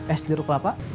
es jeruk kelapa